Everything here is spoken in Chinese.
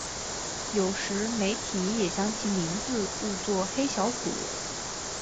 有时媒体也将其名字误作黑小虎。